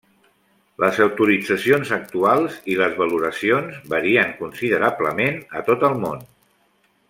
Les autoritzacions actuals i les valoracions varien considerablement a tot el món.